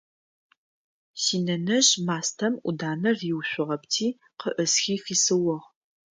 Синэнэжъ мастэм Ӏуданэр риушъугъэпти, къыӀысхи фисыугъ.